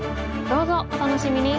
どうぞお楽しみに！